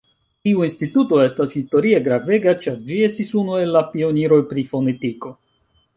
Tiu instituto estas historie gravega, ĉar ĝi estis unu el la pioniroj pri fonetiko.